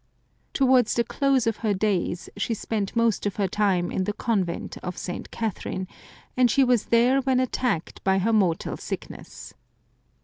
Towards the close of her days she spent most of her time in the Convent of St. Catherine, and she was there when attacked by her mortal sickness.